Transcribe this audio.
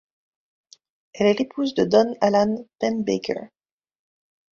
Elle est l'épouse de Donn Alan Pennebaker.